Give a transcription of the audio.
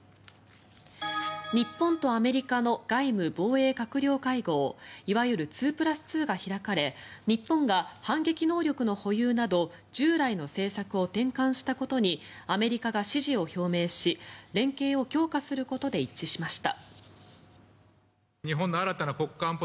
日本とアメリカの外務・防衛閣僚会合いわゆる２プラス２が開かれ日本が反撃能力の保有など従来の政策を転換したことにアメリカが支持を表明し連携を強化することで一致しました。